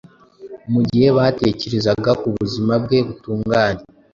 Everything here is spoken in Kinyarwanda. Mu gihe batekerezaga ku buzima bwe butunganye